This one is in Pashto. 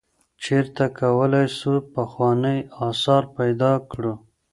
چیرته کولای سو پخوانی آثار پیدا کړو؟